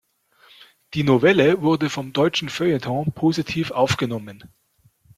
Die Novelle wurde vom deutschen Feuilleton positiv aufgenommen.